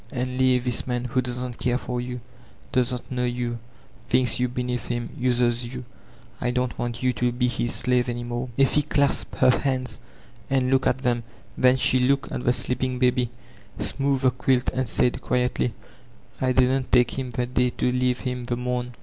And leave this man, who doesn't care for you, doesn't know you, thinks jrou beneath him, uses jrou. I don't want you to be his shive any more." Effie clasped her hands and fooked at them; then she hxdced at the sleeping baby, smoothed the quilt, and said quietly: "I didna take him the day to leave him the morra.